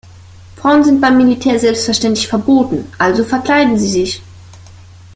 Frauen sind beim Militär selbstverständlich verboten, also verkleiden sie sich.